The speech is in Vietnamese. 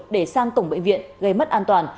để sang cổng bệnh viện gây mất an toàn